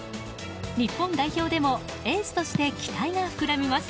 日本代表でも、エースとして期待が膨らみます。